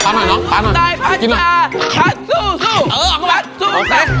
เออดังปลอดภัย